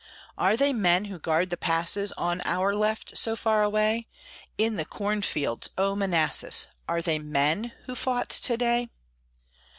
Are they men who guard the passes, On our "left" so far away? In the cornfields, O Manassas! Are they men who fought to day?